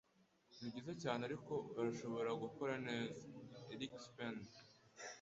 Nibyiza cyane, ariko urashobora gukora neza. (erikspen)